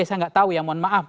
saya nggak tahu ya mohon maaf